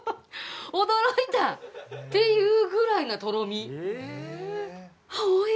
驚いた！っていうぐらいのとろみ。